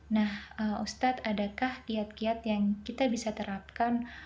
nah ustadz adakah kiat kiat yang kita bisa terapkan